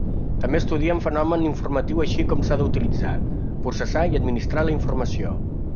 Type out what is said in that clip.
També estudia en fenomen informatiu així com s'ha d'utilitzar, processar i administrar la informació.